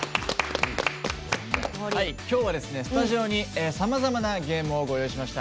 今日はスタジオにさまざまなゲームをご用意しました。